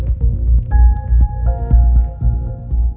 โปรดติดตามตอนต่อไป